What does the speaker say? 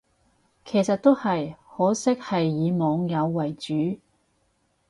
其實都係，可惜係以網友為主